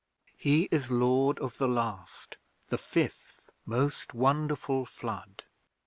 He is Lord of the Last The Fifth, most wonderful, Flood.